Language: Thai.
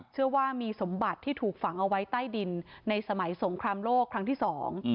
เชื่อว่ามีสมบัติที่ถูกฝังเอาไว้ใต้ดินในสมัยสงครามโลกครั้งที่สอง